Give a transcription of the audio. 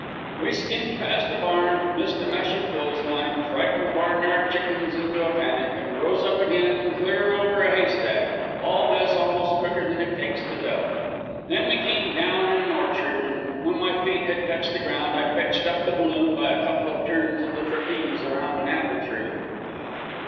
We skimmed past a barn, missed a mesh of clothesline, frightened the barnyard chickens into a panic, and rose up again clear over a haystack all this almost quicker than it takes to tell. Then we came down in an orchard, and when my feet had touched the ground I fetched up the balloon by a couple of turns of the trapeze around an apple tree.